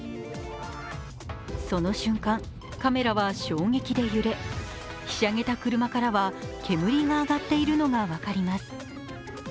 その瞬間、カメラは衝撃で揺れひしゃげた車からは煙が上がっているのが分かります。